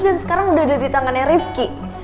dan sekarang udah ada di tangannya rifki